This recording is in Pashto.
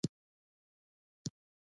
کوم چې پښتو ادب دپاره يوه لويه سرمايه ده ۔